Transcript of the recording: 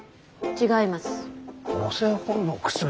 違います。